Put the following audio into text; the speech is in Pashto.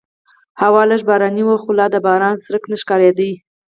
هوا لږه باراني وه خو لا د باران څرک نه ښکارېده.